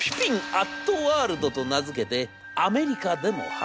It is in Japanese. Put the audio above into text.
アットワールドと名付けてアメリカでも販売。